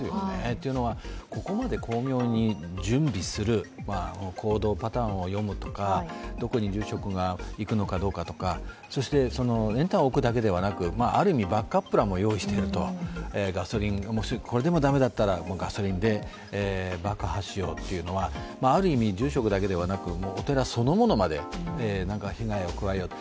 というのは、ここまで巧妙に準備する、行動パターンを読むとか、どこに住職が行くのかどうかとかそして練炭を置くだけではなく、ある意味、バックアッププランも要している、これでも駄目だったらガソリンで爆発しようというのは、ある意味、住職だけでなく、お寺そのものまで被害を加えようと。